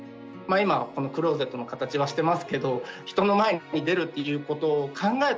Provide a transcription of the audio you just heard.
今このクローゼットの形はしてますけど人の前に出るっていうことを考えたこともなかったんですよね。